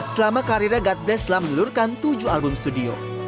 selama karirnya god bless telah menyeluruhkan tujuh album studio